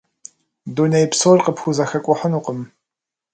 Дуней псор къыпхузэхэкӀухьынукъым.